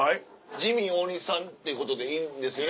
ジミー大西さんっていうことでいいんですね？